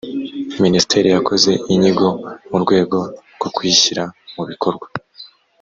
minisiteri yakoze inyigo mu rwego rwo kuyishyira mu bikorwa